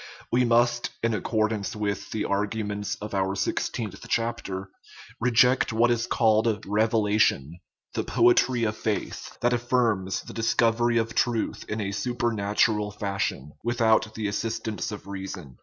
We must, in accordance with the argu ments of our sixteenth chapter, reject what is called " revelation," the poetry of faith, that affirms the dis covery of truth in a supernatural fashion, without the assistance of reason.